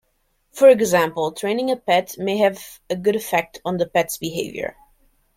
For example, training a pet may have a good effect on the pet's behavior.